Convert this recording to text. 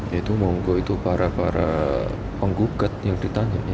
ya itu monggo itu para para penggugat yang ditanya